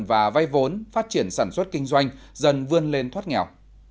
và vay vốn phát triển sản xuất kinh doanh dần vươn lên thoát nghèo